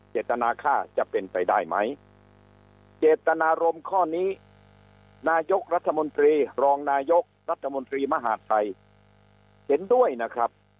เจตนาค่าจะเป็นไปได้ไหมเจตนารมณ์ข้อนี้นายกรัฐมนตรีรองนายกรัฐมนตรีมหาดไทยเห็นด้วยนะครับ